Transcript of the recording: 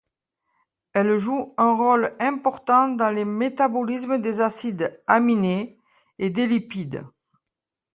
Elle joue un rôle important dans le métabolisme des acides aminés et des lipides.